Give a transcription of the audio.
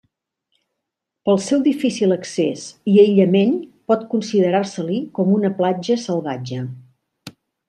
Pel seu difícil accés i aïllament pot considerar-se-li com una platja salvatge.